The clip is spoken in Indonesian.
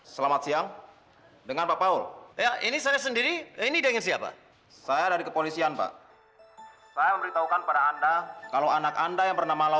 sampai jumpa di video selanjutnya